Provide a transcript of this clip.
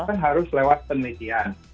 kan harus lewat penelitian